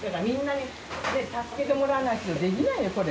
みんなに助けてもらわないとできないよ